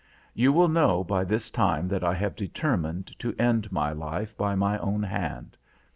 You will know by this time that I have determined to end my life by my own hand.